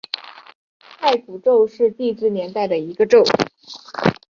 太古宙是地质年代中的一个宙。